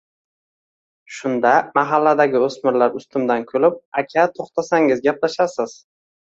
Shunda mahalladagi o'smirlar ustimdan kulib: "Aka, to'xtasangiz, gaplashasiz